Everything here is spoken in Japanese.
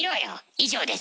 以上です。